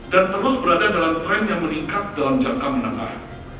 dan terus berada dalam tren yang meningkat dalam jangka menengah